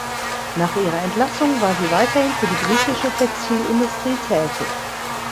Nach ihrer Entlassung war sie weiterhin für die britische Textilindustrie tätig.